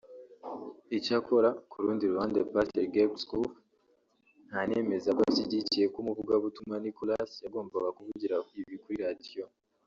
Icyakora ku rundi ruhande Pasiteri Gregg Scoof ntanemeza ko ashyigikiye ko umuvugabutumwa Nicolas yagombaga kuvugira ibi kuri Radio